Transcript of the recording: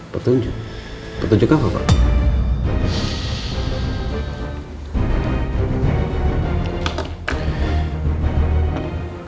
petunjuk petunjuk apa pak